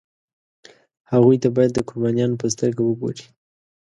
هغوی ته باید د قربانیانو په سترګه وګوري.